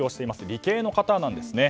理系の方なんですね。